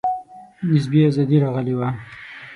نسبي آزادي راغلې وه.